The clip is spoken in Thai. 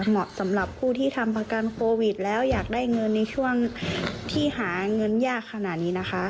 เหมาะสำหรับผู้ที่ทำประกันโควิดแล้วอยากได้เงินในช่วงที่หาเงินยากขนาดนี้นะคะ